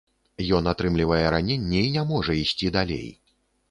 Ён атрымлівае раненне і не можа ісці далей.